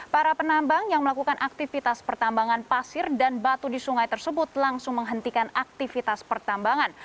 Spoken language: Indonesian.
para penambang yang melakukan aktivitas pertambangan pasir dan batu di sungai tersebut langsung menghentikan aktivitas pertambangan